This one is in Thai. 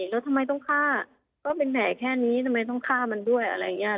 แล้วทำไมต้องฆ่าก็เป็นแผลแค่นี้ทำไมต้องฆ่ามันด้วยอะไรอย่างนี้